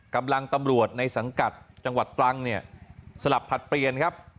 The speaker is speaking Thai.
กำลังตำรวจในสังกัดจังหวัดตรังเนี่ยสลับผลัดเปลี่ยนครับ